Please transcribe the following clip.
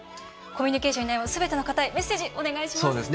コミュニケーションに悩むすべての方へメッセージお願いします。